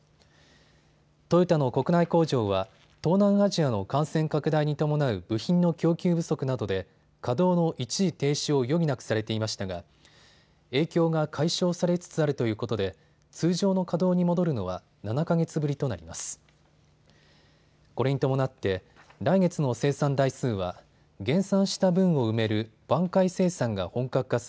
トヨタの国内工場は東南アジアの感染拡大に伴う部品の供給不足などで稼働の一時停止を余儀なくされていましたが影響が解消されつつあるということで通常の稼働に戻るのは７か月ぶりとなります。